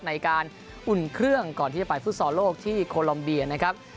อุ่นเครื่องก่อนที่จะไปฟุตซอลโลกที่โคลอมเบียนะครับ